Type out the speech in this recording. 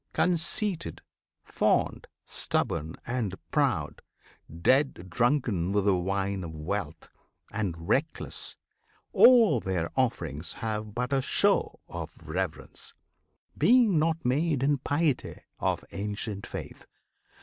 Conceited, fond, Stubborn and proud, dead drunken with the wine Of wealth, and reckless, all their offerings Have but a show of reverence, being not made In piety of ancient faith.